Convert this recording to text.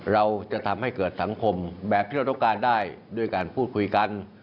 เราจะทำให้เกิดสังคมแบบที่เราต้องการได้ด้วยการพูดคุยกัน